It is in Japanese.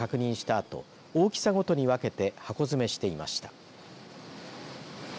あと大きさごとに分けて箱詰めしていました。